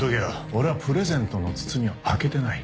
俺はプレゼントの包みを開けてない。